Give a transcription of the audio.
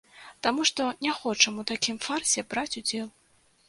Таму што не хочам у такім фарсе браць удзел.